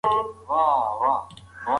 ښځې د اقتصاد په وده کې مهم رول لري.